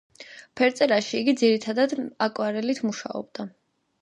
ფერწერაში იგი ძირითად აკვარელით მუშაობდა.